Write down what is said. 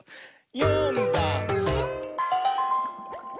「よんだんす」